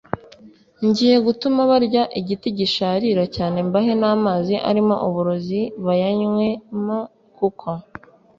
ngiye gutuma barya igiti gisharira cyane mbahe n amazi arimo uburozi bayanywe m Kuko